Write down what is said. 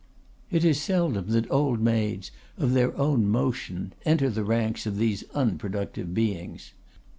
It is seldom that old maids of their own motion enter the ranks of these unproductive beings.